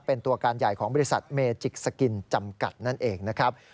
เป็นตัวการใหญ่ของบริษัทเมจิกสกินจำกัดนั่นเองนะครับ